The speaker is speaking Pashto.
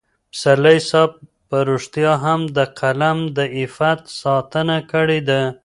پسرلي صاحب په رښتیا هم د قلم د عفت ساتنه کړې ده.